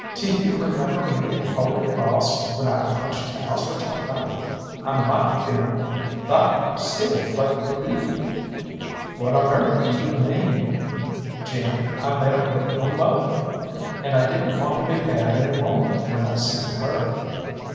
Do you remember me at Holy Crawss when I punched cows for Chalkeye? I might ha' been thar still but for you." "What on earth do you mean?" "Jim, I met up with yo' mother, and I didn't want to be bad any more when I seen her."